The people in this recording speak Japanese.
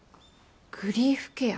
グリーフケア？